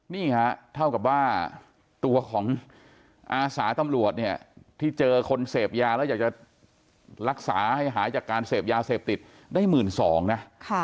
นี่ฮะเท่ากับว่าตัวของอาสาตำรวจเนี่ยที่เจอคนเสพยาแล้วอยากจะรักษาให้หายจากการเสพยาเสพติดได้๑๒๐๐นะ